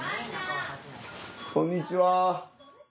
こんにちは。